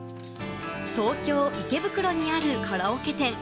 東京・池袋にあるカラオケ店。